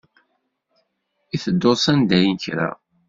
I tedduḍ sanda n kra?